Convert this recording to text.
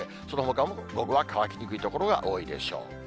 そのほかも午後は乾きにくい所が多いでしょう。